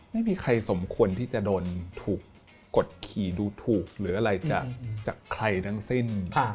ไม่มีใครสมควรที่จะโดนถูกกดขี่ดูถูกหรืออะไรจากใครทั้งสิ้น